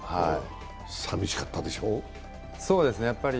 寂しかったでしょう？